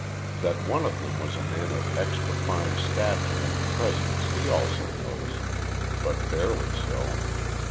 That one of them was a man of extra fine stature and presence, he also noticed, but barely so.